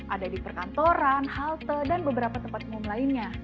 ada di perkantoran halte dan beberapa tempat umum lainnya